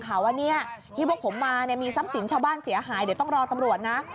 พวกผมมาเนี่ยมีซ้ำสินชาวบ้านเสียหายเดี๋ยวต้องรอตำรวจนะ